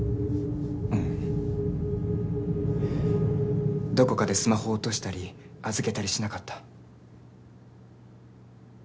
うんどこかでスマホを落としたり預けたりしなかった？